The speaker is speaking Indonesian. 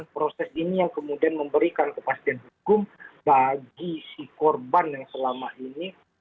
proses ini yang kemudian memberikan kepastian hukum bagi si korban yang selama ini